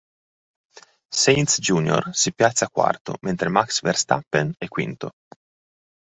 Sainz Jr. si piazza quarto mentre Max Verstappen è quinto.